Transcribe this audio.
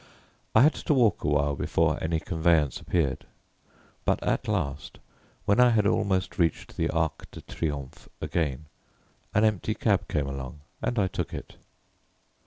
I had to walk a while before any conveyance appeared, but at last, when I had almost reached the Arc de Triomphe again, an empty cab came along and I took it.